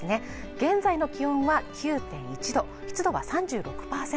現在の気温は９．１度湿度は３６％